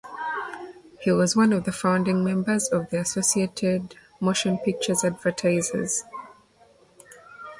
He was one of the founding members of the Associated Motion Picture Advertisers.